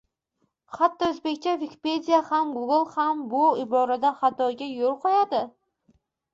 Hatto oʻzbekcha Vikipediya ham, Google ham bu iborada xatoga yoʻl qoʻyadi